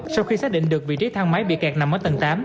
sau khi xác định được vị trí thang máy bị kẹt nằm ở tầng tám